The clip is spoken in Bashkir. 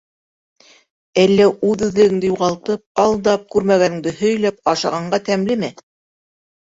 Әллә үҙ-үҙлегеңде юғалтып, алдап, күрмәгәнеңде һөйләп ашағанға тәмлеме?